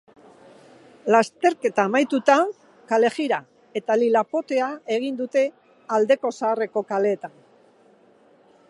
Lasterketa amaituta, kalejira eta lilapotea egin dute alde zaharreko kaleetan.